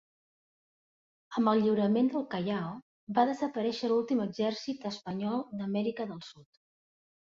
Amb el lliurament del Callao, va desaparèixer l'últim exèrcit espanyol d'Amèrica del Sud.